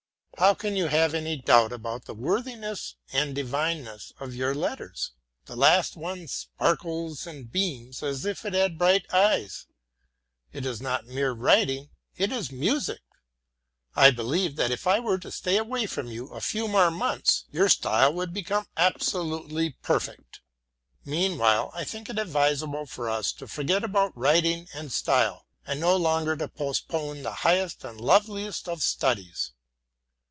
How can you have any doubt about the worthiness and divineness of your letters? The last one sparkles and beams as if it had bright eyes. It is not mere writing it is music. I believe that if I were to stay away from you a few more months, your style would become absolutely perfect. Meanwhile I think it advisable for us to forget about writing and style, and no longer to postpone the highest and loveliest of studies.